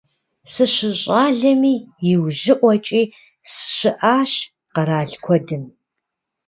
СыщыщӀалэми иужьыӀуэкӀи сыщыӀащ къэрал куэдым.